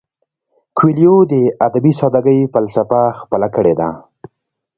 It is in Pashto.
کویلیو د ادبي ساده ګۍ فلسفه خپله کړې ده.